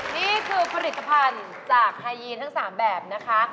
นี่คือผลิตภัณฑ์จากไฮยีนทั้ง๓แบบนะคะ